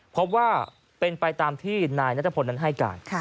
พบว่าเป็นไปตามที่นายนัทพลนั้นให้การ